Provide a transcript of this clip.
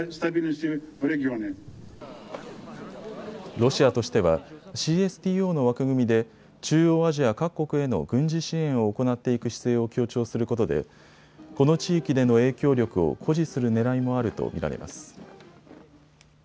ロシアとしてはＣＳＴＯの枠組みで中央アジア各国への軍事支援を行っていく姿勢を強調することでこの地域での影響力を誇示するねらいもあると見られます。